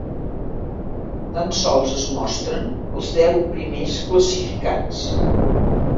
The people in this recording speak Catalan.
Tan sols es mostren els deu primers classificats.